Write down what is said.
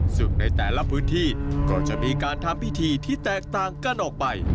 ซึ่งในแต่ละพื้นที่ก็จะมีการทำพิธีที่แตกต่างกันออกไป